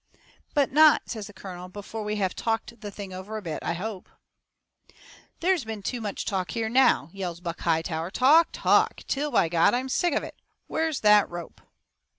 "But not," says the colonel, "before we have talked the thing over a bit, I hope?" "There's been too much talk here now," yells Buck Hightower, "talk, talk, till, by God, I'm sick of it! Where's that ROPE?"